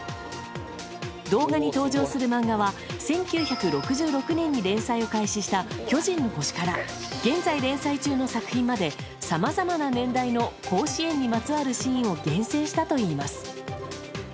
動画に登場する漫画は１９６６年に連載を開始した「巨人の星」から現在連載中の作品までさまざまな年代の甲子園にまつわるシーンを厳選したといいます。